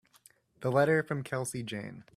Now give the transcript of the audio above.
The letter from Kelsey Jane.